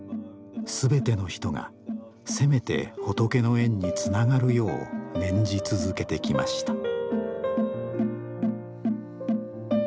全ての人がせめて仏の縁につながるよう念じ続けてきました。